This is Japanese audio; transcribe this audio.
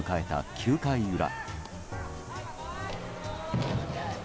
９回裏。